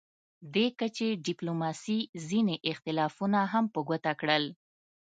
دې کچې ډیپلوماسي ځینې اختلافونه هم په ګوته کړل